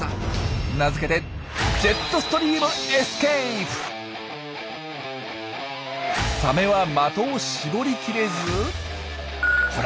名付けてサメは的を絞りきれずほら